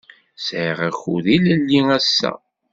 Sɛiɣ akud ilelli ass-a.